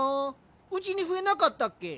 うちに笛なかったっけ？